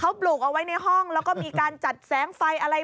เขาปลูกเอาไว้ในห้องแล้วก็มีการจัดแสงไฟอะไร